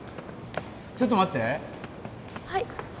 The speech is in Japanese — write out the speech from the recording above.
ちょっと待ってはい？